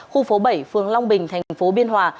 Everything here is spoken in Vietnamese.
khu phố bảy phường long bình tp biên hòa